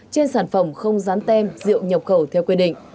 trên sản phẩm không dán tem rượu nhập khẩu theo quy định